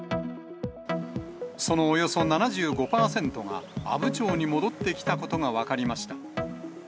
そのおよそ７５％が、阿武町に戻ってきたことが分かりました。